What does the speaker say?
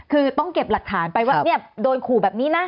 คือต้องเก็บหลักฐานไปว่าโดนขู่แบบนี้นะ